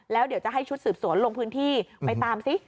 แล้วเดี๋ยวจะให้ชุดสืบสวนลงพื้นที่ไปตามซิ